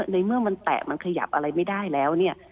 ในเมื่อมันแตะมันขยับอะไรไม่ได้แล้วเนี่ย